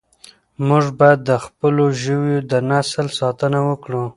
موږ باید د خپلو ژویو د نسل ساتنه وکړو.